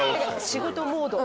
仕事モード。